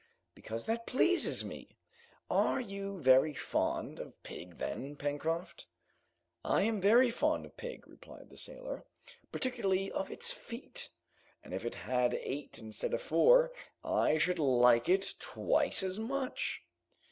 "Because that pleases me!" "Are you very fond of pig then, Pencroft?" "I am very fond of pig," replied the sailor, "particularly of its feet, and if it had eight instead of four, I should like it twice as much!"